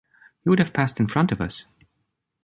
He would have passed in front us.